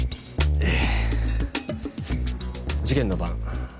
ええ。